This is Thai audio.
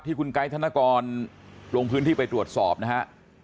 คุณไกด์ธนกรลงพื้นที่ไปตรวจสอบนะฮะ